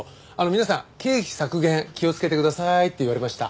皆さん経費削減気をつけてくださいって言われました。